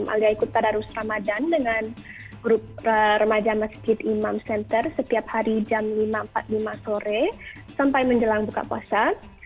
alia ikut pada rus ramadan dengan grup remaja masjid imam center setiap hari jam lima empat puluh lima sore sampai menjelang buka puasa